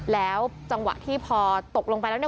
แล้วจังหวะที่พอตกลงไปแล้วเนี่ย